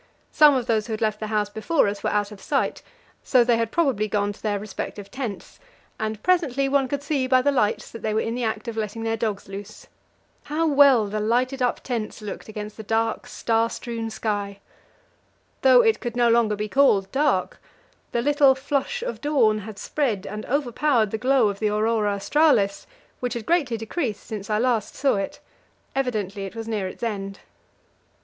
Some of those who had left the house before us were out of sight, so they had probably gone to their respective tents, and presently one could see by the lights that they were in the act of letting their dogs loose. How well the lighted up tents looked against the dark, star strewn sky! Though it could no longer be called dark: the little flush of dawn had spread and overpowered the glow of the aurora australis, which had greatly decreased since I last saw it; evidently it was near its end.